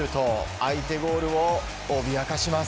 相手ゴールを脅かします。